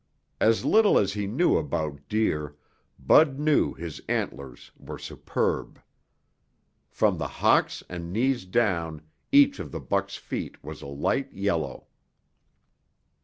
As little as he knew about deer, Bud knew his antlers were superb. From the hocks and knees down, each of the buck's feet was a light yellow.